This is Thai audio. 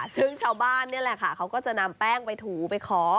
ซึ่งชาวบ้านนี่แหละค่ะเขาก็จะนำแป้งไปถูไปขอ